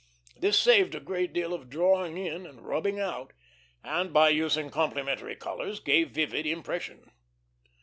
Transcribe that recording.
This saved a great deal of drawing in and rubbing out, and by using complementary colors gave vivid impression.